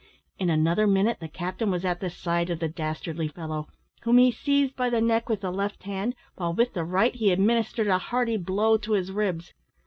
In another minute the captain was at the side of the dastardly fellow, whom he seized by the neck with the left hand, while with the right he administered a hearty blow to his ribs.